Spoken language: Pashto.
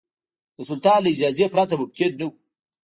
د سلطان له اجازې پرته ممکن نه وو.